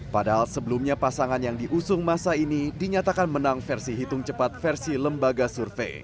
padahal sebelumnya pasangan yang diusung masa ini dinyatakan menang versi hitung cepat versi lembaga survei